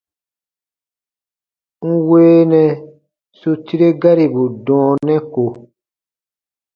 N weenɛ su tire garibu dɔɔnɛ ko.